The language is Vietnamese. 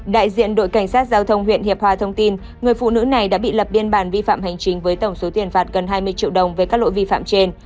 đại diện đội cảnh sát giao thông huyện hiệp hòa thông tin người phụ nữ này đã bị lập biên bản vi phạm hành chính với tổng số tiền phạt gần hai mươi triệu đồng về các lỗi vi phạm trên